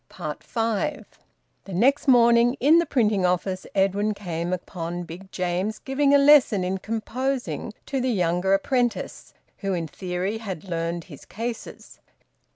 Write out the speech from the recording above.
FIVE. The next morning, in the printing office, Edwin came upon Big James giving a lesson in composing to the younger apprentice, who in theory had `learned his cases.'